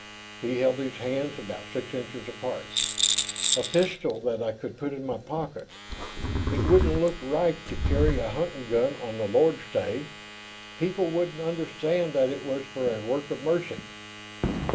He held his hands about six inches apart. "A pistol, that I could put in my pocket. It wouldn't look right, to carry a hunting gun on the Lord's day; people wouldn't understand that it was for a work of mercy."